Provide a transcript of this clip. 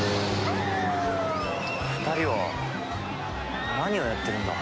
２人は何をやってるんだ？